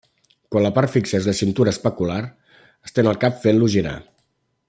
Quan la part fixa és la cintura escapular, estén el cap fent-lo girar.